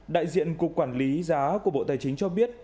đại diện cục quản lý giá của bộ tài chính cho biết